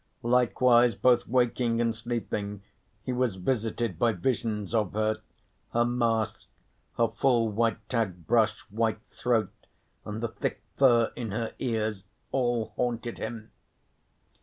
Likewise both waking and sleeping he was visited by visions of her; her mask, her full white tagged brush, white throat, and the thick fur in her ears all haunted him.